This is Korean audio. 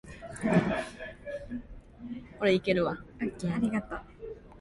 건강한 식습과 기르기라는 새해 결심이 한 달 단위가 되면 맥주 안 마시기처럼 구체적인 계획